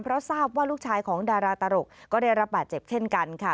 เพราะทราบว่าลูกชายของดาราตลกก็ได้รับบาดเจ็บเช่นกันค่ะ